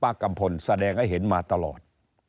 กัมพลแสดงให้เห็นมาตลอด